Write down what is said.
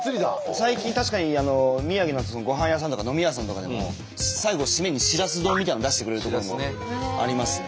最近確かに宮城のごはん屋さんとか飲み屋さんとかでも最後締めにしらす丼みたいなの出してくれるとこもありますね。